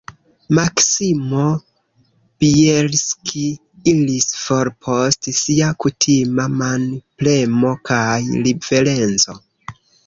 Maksimo Bjelski iris for post sia kutima manpremo kaj riverenco.